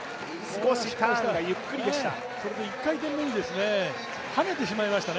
少しカーブがゆっくりでした。